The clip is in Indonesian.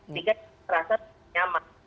tiga terasa nyaman